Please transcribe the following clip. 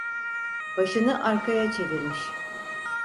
Başını arkaya çevirmiş.